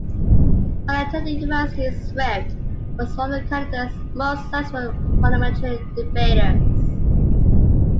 While attending university, Swift was one of Canada's most successful parliamentary debaters.